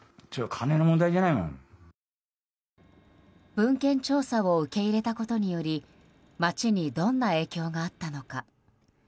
文献調査を受け入れたことにより町にどんな影響があったのか。